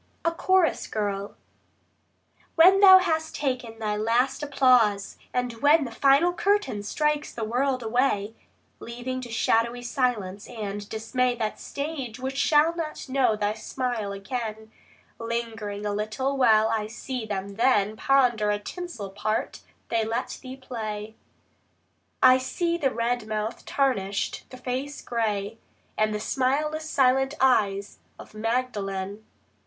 A CHORUS GIRL When thou hast taken thy last applause, and when The final curtain strikes the world away, Leaving to shadowy silence and dismay That stage which shall not know thy smile again, Lingering a little while I see thee then Ponder the tinsel part they let thee play; I see the red mouth tarnished, the face grey, And smileless silent eyes of Magdalen.